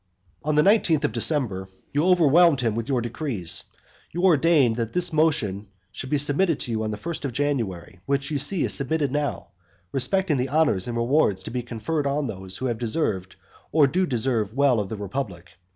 XI. On the nineteenth of December, you overwhelmed him with your decrees; you ordained that this motion should be submitted to you on the first of January, which you see is submitted now, respecting the honours and rewards to be conferred on those who have deserved or do deserve well of the republic.